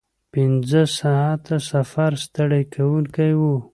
پنځه ساعته سفر ستړی کوونکی و.